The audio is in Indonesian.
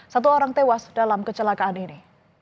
satu orang tewas dalam kecelakaan ini